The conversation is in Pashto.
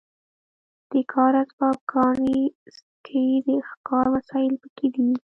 د کار اسباب ګاڼې سکې د ښکار وسایل پکې دي.